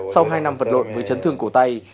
sau hai năm vật lộn với chấn thương cổ tay